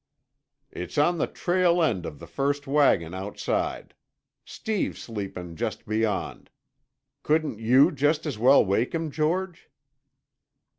"It's on the tail end of the first wagon outside. Steve's sleepin' just beyond. Couldn't you just as well wake him, George?"